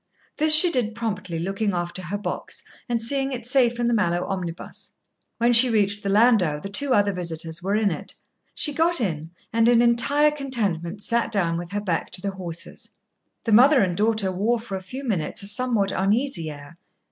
This she did promptly, looking after her box, and seeing it safe in the Mallowe omnibus. When she reached the landau, the two other visitors were in it. She got in, and in entire contentment sat down with her back to the horses. The mother and daughter wore for a few minutes a somewhat uneasy air.